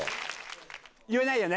言えないよね。